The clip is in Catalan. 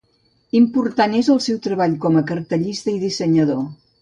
Important és el seu treball com a cartellista i dissenyador.